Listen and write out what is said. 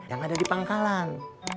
yang ada di pangkalan